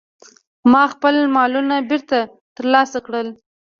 ما خپل مالونه بیرته ترلاسه کړل.